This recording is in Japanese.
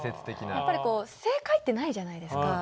やっぱりこう正解ってないじゃないですか。